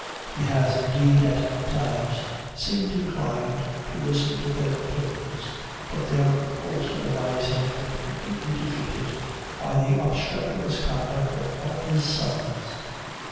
He has, indeed, at times, seemed inclined to listen to their opinions, but their wholesome advice has been completely defeated by the obstreperous conduct of one of his sons.